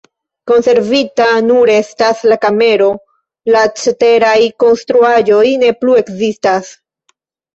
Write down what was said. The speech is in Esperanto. Konservita nur estas la kamero, la ceteraj konstruaĵoj ne plu ekzistas.